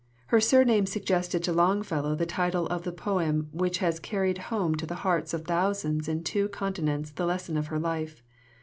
Her surname suggested to Longfellow the title of the poem which has carried home to the hearts of thousands in two continents a lesson of her life.